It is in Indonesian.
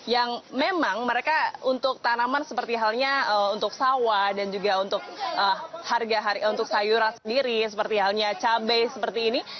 yang memang mereka untuk tanaman seperti halnya untuk sawah dan juga untuk sayuran sendiri seperti halnya cabai seperti ini